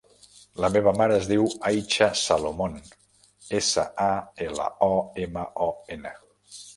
La meva mare es diu Aicha Salomon: essa, a, ela, o, ema, o, ena.